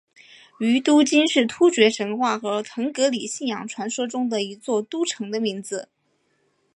于都斤是突厥神话和腾格里信仰传说中的一座都城的名字。